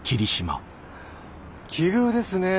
奇遇ですね。